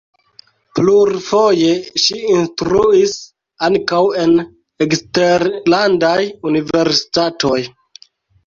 Plurfoje ŝi instruis ankaŭ en eksterlandaj universitatoj.